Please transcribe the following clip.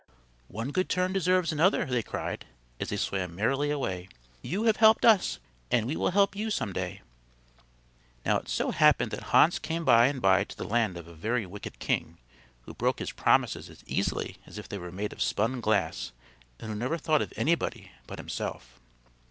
"One good turn deserves another," they cried as they swam merrily away. "You have helped us, and we will help you some day." Now it so happened that Hans came by and by to the land of a very wicked king who broke his promises as easily as if they were made of spun glass and who never thought of anybody but himself.